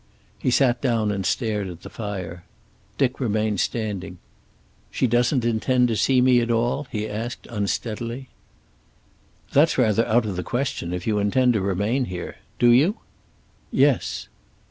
He sat down and stared at the fire. Dick remained standing. "She doesn't intend to see me at all?" he asked, unsteadily. "That's rather out of the question, if you intend to remain here. Do you?" "Yes."